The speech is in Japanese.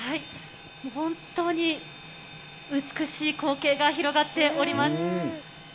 本当に、美しい光景が広がっております。